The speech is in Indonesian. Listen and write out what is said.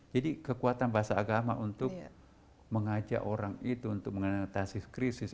jadi kekuatan bahasa agama untuk mengajak orang itu untuk mengenal tasis krisis